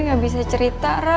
gue gak bisa cerita rara